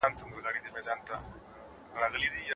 سړی د ښار کیسې کولې.